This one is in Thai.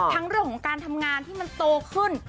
เรื่องของการทำงานที่มันโตขึ้น